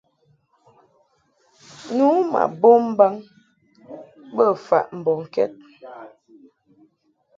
Nu ma bom mbaŋ bə faʼ mbɔŋkɛd.